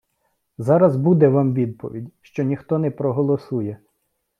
Зараз буде Вам відповідь, що ніхто не проголосує.